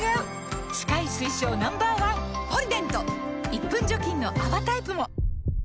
１分除菌の泡タイプも！